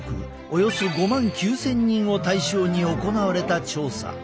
およそ５万９，０００人を対象に行われた調査。